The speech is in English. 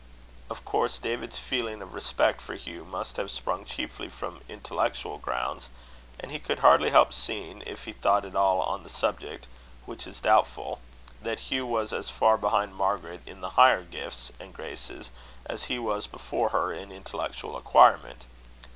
Of course David's feeling of respect for Hugh must have sprung chiefly from intellectual grounds; and he could hardly help seeing, if he thought at all on the subject, which is doubtful, that Hugh was as far behind Margaret in the higher gifts and graces, as he was before her in intellectual acquirement.